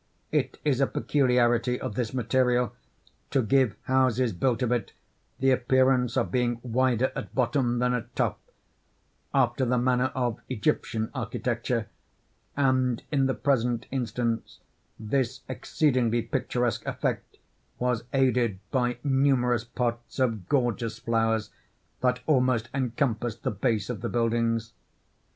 It is a peculiarity of this material to give houses built of it the appearance of being wider at bottom than at top—after the manner of Egyptian architecture; and in the present instance, this exceedingly picturesque effect was aided by numerous pots of gorgeous flowers that almost encompassed the base of the buildings.